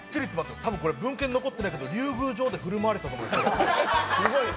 文献残ってないけど、多分これ、竜宮城で振る舞われたと思います。